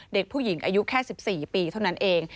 เด็กผู้หญิงอายุแค่๑๔ปีเท่านั้นเอง